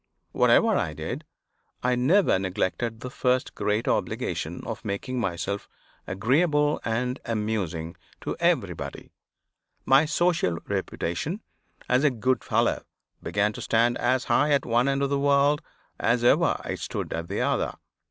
Whatever I did, I never neglected the first great obligation of making myself agreeable and amusing to everybody. My social reputation as a good fellow began to stand as high at one end of the world as ever it stood at the other.